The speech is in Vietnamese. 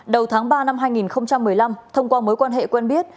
đầu tháng ba năm hai nghìn một mươi năm thông qua mối quan hệ quen biết